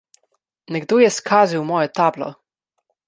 Nekdo je skazil mojo tablo.